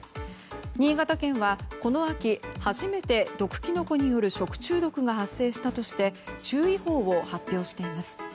新潟県は、この秋初めて毒キノコによる食中毒が発生したとして注意報を発表しています。